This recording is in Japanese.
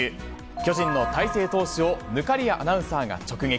巨人の大勢投手を忽滑谷アナウンサーが直撃。